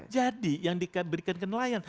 jadi yang diberikan ke nelayan